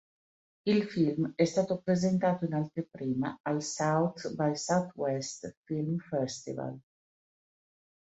Il film è stato presentato in anteprima al South by Southwest Film Festival.